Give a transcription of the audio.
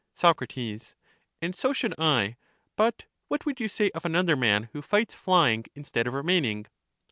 Soc, And so should I; but what would you say of another man, who fights flying, instead of remain ing?